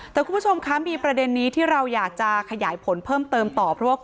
แท้คุณผู้ชมมีประเด็นนี้ที่เราอยากจะขยายผลเพิ่มเติมต่อ